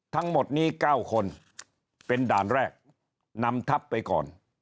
ทั้งหมดนี้๙คนเป็นด่านแรกนำทัพไปก่อน